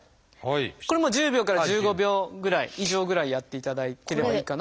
これも１０秒から１５秒ぐらい以上ぐらいやっていただければいいかなと。